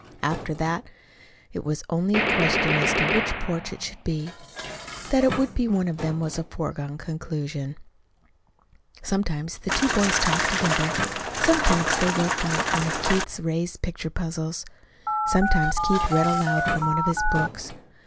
After that it was only a question as to which porch it should be. That it would be one of them was a foregone conclusion. Sometimes the two boys talked together. Sometimes they worked on one of Keith's raised picture puzzles. Sometimes Keith read aloud from one of his books.